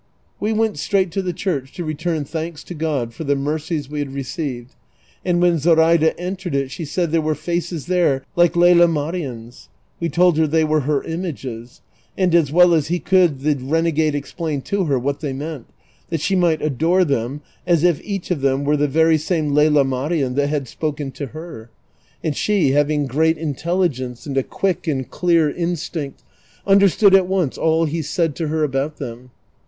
We went straight to the church to return thanks to God for the mercies we ha<i received, and when Zoraida entered it she said there were faces there like Lela IMarien's. We told her they were her images ; and as well as he could the renegade explained to her what they meant, that she might adore them as if each of them were the very same Lela Marien that had spoken to her ; and she, having great intelligence and a (juick and clear instinct, undei'stood at once all he said to her about them.